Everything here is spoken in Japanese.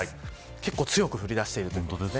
結構強く降りだしています。